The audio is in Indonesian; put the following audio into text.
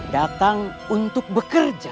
datang untuk bekerja